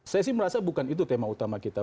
saya sih merasa bukan itu tema utama kita